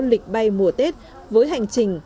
lịch bay mùa tết với hành trình